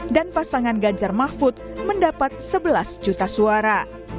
dan pasangan ganjar mahfud mendapat sebelas juta suara